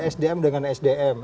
sdm dengan sdm